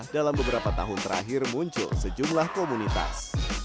dalam beberapa tahun terakhir muncul sejumlah komunitas